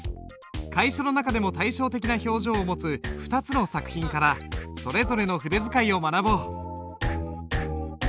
楷書の中でも対照的な表情を持つ２つの作品からそれぞれの筆使いを学ぼう。